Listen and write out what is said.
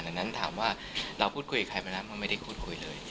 ดังนั้นถามว่าเราพูดคุยกับใครมาแล้วมันไม่ได้พูดคุยเลย